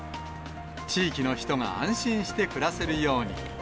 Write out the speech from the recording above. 地域の人が安心して暮らせるように。